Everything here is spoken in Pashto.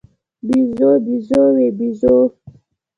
بیزو، بیزووې، بیزوو